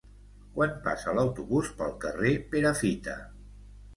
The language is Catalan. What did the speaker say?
Quan passa l'autobús pel carrer Perafita?